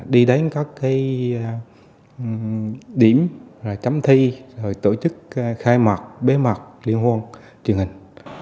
đi đến các điểm chấm thi tổ chức khai mặt bế mặt liên hoan truyền hình